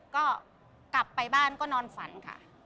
ก็กลับไปบ้านก็นอนฝันค่ะ